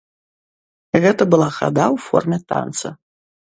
Гэта была хада ў форме танца.